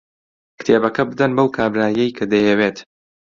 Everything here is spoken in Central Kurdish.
کتێبەکە بدەن بەو کابرایەی کە دەیەوێت.